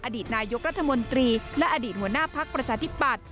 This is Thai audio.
อดีตนายกรัฐมนตรีและอดีตหัวหน้าพักประชาธิปัตย